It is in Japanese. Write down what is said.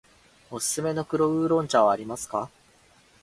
おすすめの黒烏龍茶はありますか。